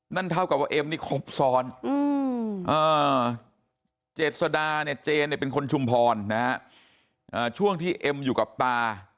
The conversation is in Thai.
เท่ากับว่าเอ็มนี่ครบซ้อนเจษดาเนี่ยเจนเนี่ยเป็นคนชุมพรนะฮะช่วงที่เอ็มอยู่กับตา